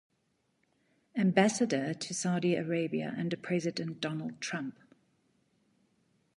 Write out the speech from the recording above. Ambassador to Saudi Arabia under President Donald Trump.